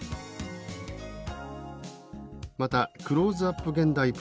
またクローズアップ